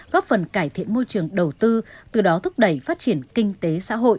góp phần cải thiện môi trường đầu tư từ đó thúc đẩy phát triển kinh tế xã hội